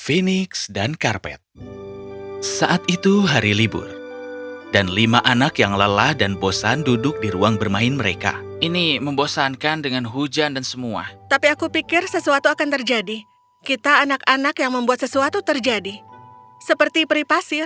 iya karpet baru panther